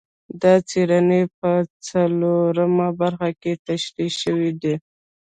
دا څېړنې په څلورمه برخه کې تشرېح شوي دي.